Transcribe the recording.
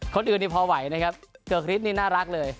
คนอื่นนี่พอไหวนะครับเกือกฤทธินี่น่ารักเลย